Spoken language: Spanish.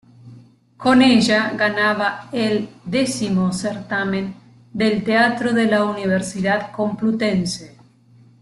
Con ella ganaba el X Certamen del Teatro de la Universidad Complutense.